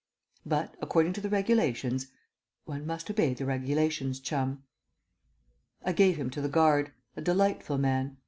But according to the regulations one must obey the regulations, Chum. I gave him to the guard a delightful man.